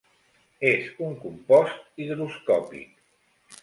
És un compost higroscòpic.